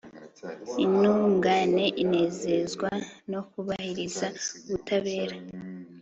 intungane inezezwa no kubahiriza ubutabera